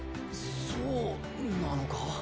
そうなのか？